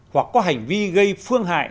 hoặc có hành vi gây phương hại